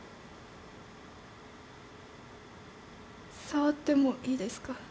触ってもいいですか？